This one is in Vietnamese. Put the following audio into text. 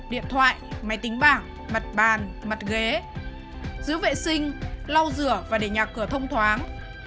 điện thoại máy tính bảng mặt bàn mặt ghế giữ vệ sinh lau rửa và để nhà cửa thông thoáng